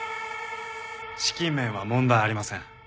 資金面は問題ありません。